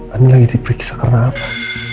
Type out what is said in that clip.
andi lagi diperiksa karena apa